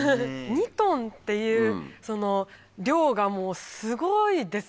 ２トンっていう量がすごいです。